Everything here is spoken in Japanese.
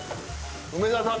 梅沢さん